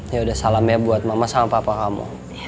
ya udah salam ya buat mama sama papa kamu